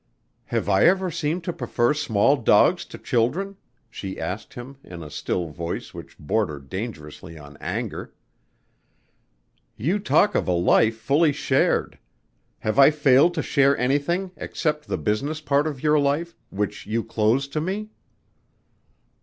"Have I ever seemed to prefer small dogs to children?" she asked him in a still voice which bordered dangerously on anger. "You talk of a life fully shared. Have I failed to share anything except the business part of your life which you closed to me?"